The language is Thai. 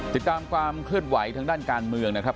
ติดตามความเคลื่อนไหวทางด้านการเมืองนะครับ